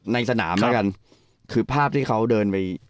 ในสนามแล้วกันคือภาพที่เขาเดินไป